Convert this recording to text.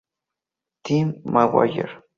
Tim McGuire.